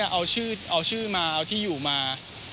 เอาชื่อมาเอาที่อยู่มา